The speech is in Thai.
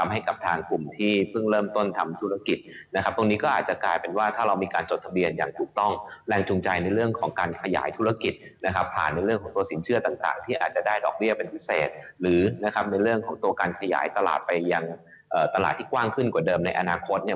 ให้กับทางกลุ่มที่เพิ่งเริ่มต้นทำธุรกิจนะครับตรงนี้ก็อาจจะกลายเป็นว่าถ้าเรามีการจดทะเบียนอย่างถูกต้องแรงจูงใจในเรื่องของการขยายธุรกิจนะครับผ่านในเรื่องของตัวสินเชื่อต่างที่อาจจะได้ดอกเบี้ยเป็นพิเศษหรือนะครับในเรื่องของตัวการขยายตลาดไปยังตลาดที่กว้างขึ้นกว่าเดิมในอนาคตเนี่ย